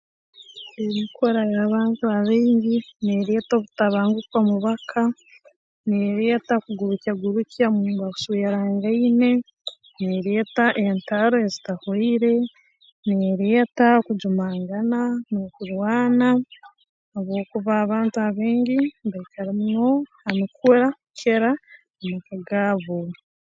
Emikura y'abantu abaingi neereeta obutabanguka mu baka neereeta kugurukya gurukya mu baswerangaine neereeta entaro ezitahwaire neereeta kujumangana n'okurwana habwokuba abantu abaingi mbaikara muno ha mikura kukira mu maka gaabo